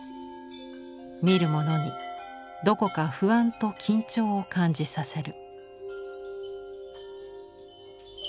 見る者にどこか不安と緊張を感じさせる。